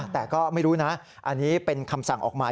แต่ก็ไม่รู้นะอันนี้เป็นคำสั่งออกมา